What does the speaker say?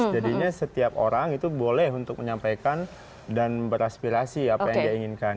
jadinya setiap orang itu boleh untuk menyampaikan dan beraspirasi apa yang dia inginkan